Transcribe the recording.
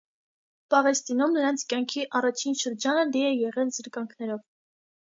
Պաղեստինում նրանց կյանքի առաջին շրջանը լի է եղել զրկանքներով։